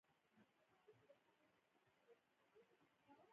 اوس یې زموږ یادونو کې ځای شته.